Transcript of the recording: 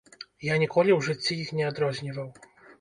Я ніколі ў жыцці іх не адрозніваў.